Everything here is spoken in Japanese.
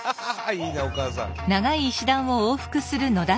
いいねお母さん。